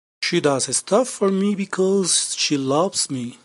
She does stuff for me because she loves me.